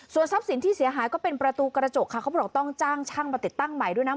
ส่วนทรัพย์สินที่เสียหายก็เป็นประตูกระจกค่ะเขาบอกต้องจ้างช่างมาติดตั้งใหม่ด้วยนะ